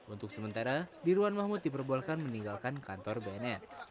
untuk sementara dirwan mahmud diperbolehkan meninggalkan kantor bnn